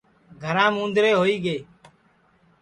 گھرام اُوندرے ہوئی گے